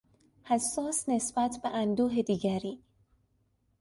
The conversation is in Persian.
حساس نسبت به اندوه دیگری